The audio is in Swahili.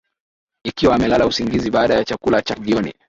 Ikiwa amelala usingizi baada ya chakula cha jioni